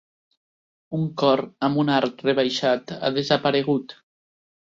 Un cor amb un arc rebaixat ha desaparegut.